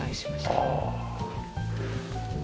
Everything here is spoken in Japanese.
ああ。